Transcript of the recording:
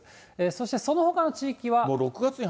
そしてそのほかの地域は。